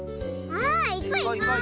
あいこういこう。